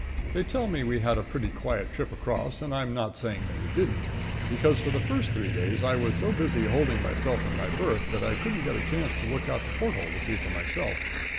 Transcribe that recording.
They tell me we had a pretty quiet trip across, and I'm not saying that we didn't, because for the first three days I was so busy holding myself in my berth that I couldn't get a chance to look out the porthole to see for myself.